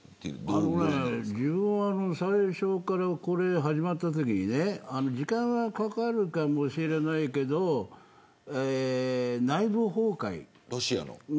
自分は最初からこれが始まったときに時間はかかるかもしれないけどロシアの。